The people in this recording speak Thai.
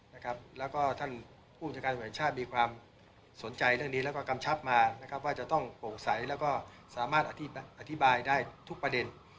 แล้วก็ท่านผู้จัดการแห่งชาติมีความสนใจเรื่องนี้แล้วก็กำชับมานะครับว่าจะต้องโปร่งใสแล้วก็สามารถอธิบายได้ทุกประเด็น